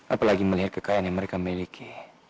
apalagi melihat kekayaan yang mereka miliki